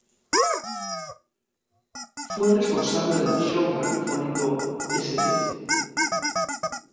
Fue responsable del show radiofónico "St.